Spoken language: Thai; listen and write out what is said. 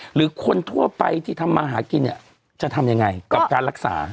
หรือคนทั่วไปที่ทำมาหากินเนี่ยจะทำยังไงกับการรักษา